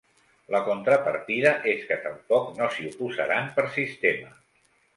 La contrapartida és que tampoc no s’hi oposaran per sistema.